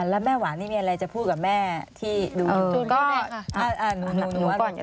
แล้วแม่หวานนี่มีอะไรจะพูดกับแม่ที่ดูอยู่